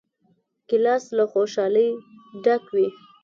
ګیلاس له خوشحالۍ ډک وي.